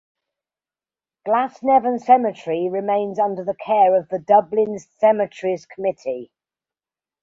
Glasnevin Cemetery remains under the care of the Dublin Cemeteries Committee.